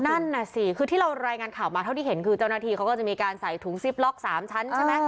นั่นน่ะสิคือที่เรารายงานข่าวมาเท่าที่เห็นคือเจ้าหน้าที่เขาก็จะมีการใส่ถุงซิปล็อก๓ชั้นใช่ไหม